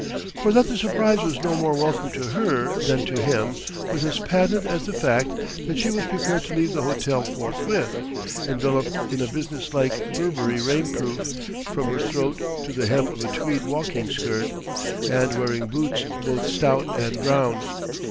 For that the surprise was no more welcome to her than to him was as patent as the fact that she was prepared to leave the hotel forthwith, enveloped in a business like Burberry rainproof from her throat to the hem of a tweed walking skirt, and wearing boots both stout and brown.